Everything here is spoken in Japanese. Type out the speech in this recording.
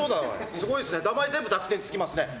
すごいですね、名前全部濁点つきますね。